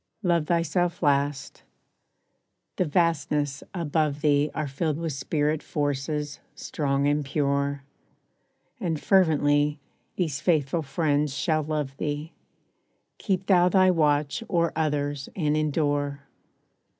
Love thyself last. The vastnesses above thee Are filled with Spirit Forces, strong and pure. And fervently, these faithful friends shall love thee: Keep thou thy watch o'er others and endure.